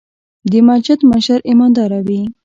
د مسجد مشر ايمانداره وي.